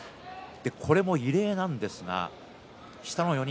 これもまた異例なんですが下の４人